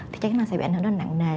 thì chắc nó sẽ bị ảnh hưởng rất nặng nề